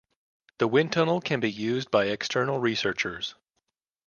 The wind tunnel can be used by external researchers.